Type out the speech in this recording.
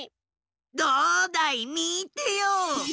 どうだいみてよ！